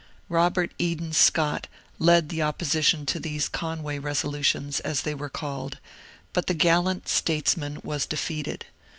Robert Eden Scott led the opposition to these ^^ Con way resolutions," as they were called, but the gallant states man was defeated.